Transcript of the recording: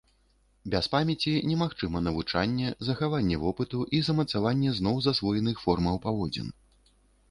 Без памяці немагчыма навучанне, захаванне вопыту і замацаванне зноў засвоеных формаў паводзін.